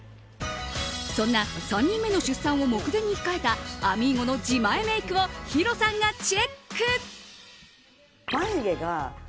そんな３人目の出産を目前に控えたあみーゴの自前メイクをヒロさんがチェック。